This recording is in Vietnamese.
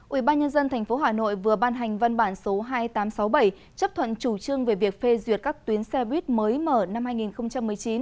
ubnd tp hà nội vừa ban hành văn bản số hai nghìn tám trăm sáu mươi bảy chấp thuận chủ trương về việc phê duyệt các tuyến xe buýt mới mở năm hai nghìn một mươi chín